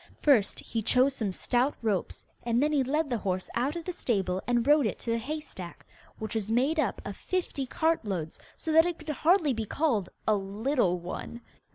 First he chose some stout ropes, and then he led the horse out of the stable and rode it to the hay stack, which was made up of fifty cartloads, so that it could hardly be called 'a little one.